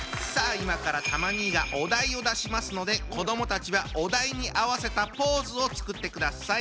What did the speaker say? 今からたま兄がお題を出しますので子どもたちはお題に合わせたポーズを作ってください。